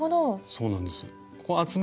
そうなんです。